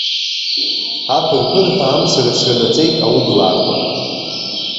Аԥыр-ԥырҳәа амца рыцранаҵеит аублаақәа.